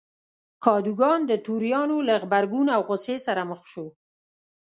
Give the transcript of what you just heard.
کادوګان د توریانو له غبرګون او غوسې سره مخ شو.